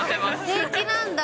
平気なんだ。